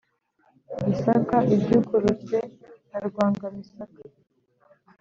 gisaka ibyukurutse na rwangamisaka.